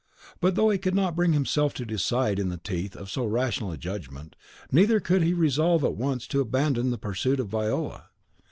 But though he could not bring himself to decide in the teeth of so rational a judgment, neither could he resolve at once to abandon the pursuit of Viola.